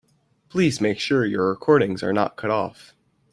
Please make sure your recordings are not cut off.